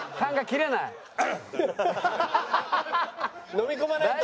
飲み込まないと。